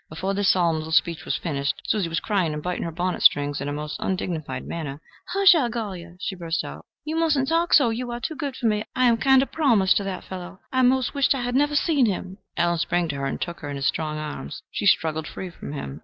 Before this solemn little speech was finished, Susie was crying and biting her bonnet strings in a most undignified manner. "Hush, Al Golyer!" she burst out. "You mustn't talk so. You are too good for me. I am kind of promised to that fellow. I 'most wish I had never seen him." Allen sprang to her and took her in his strong arms: she struggled free from him.